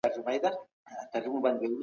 که ما پرون هڅه کړي وای، نن به خوشحاله وم.